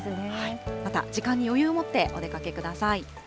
また時間に余裕を持ってお出かけください。